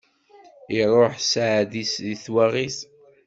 Iruḥ sseɛd-is di twaɣit.